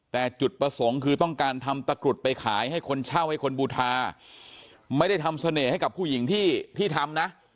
แต่จุดประสงค์คือต้องการทำตะกรุดไปขายให้คนเช่าให้คนบูทาไม่ได้ทำเสน่ห์ให้กับผู้หญิงที่ทำนะ